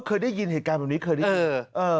เคยได้ยินเหตุการณ์แบบนี้เคยได้ยิน